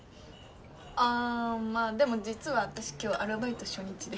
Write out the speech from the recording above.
あまぁでも実は私今日アルバイト初日で。